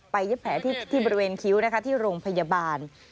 เย็บแผลที่บริเวณคิ้วนะคะที่โรงพยาบาล